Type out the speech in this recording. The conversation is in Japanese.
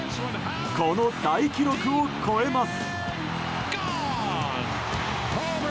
この大記録を超えます。